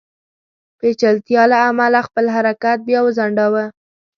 پېچلتیا له امله خپل حرکت بیا وځنډاوه.